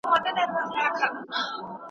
علمي څېړونکي له بنسټیزو څېړنو کار اخلي.